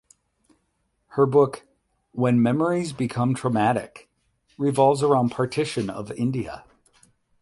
Her book "When Memories Become Traumatic" revolves around partition of India.